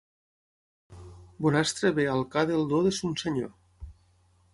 Bonastre ve al ca del do de son senyor.